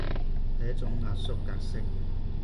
係一種壓縮格式